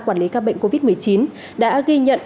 quản lý ca bệnh covid một mươi chín đã ghi nhận